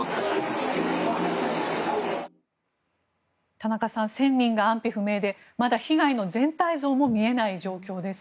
田中さん１０００人が安否不明でまだ被害の全体像も見えない状況です。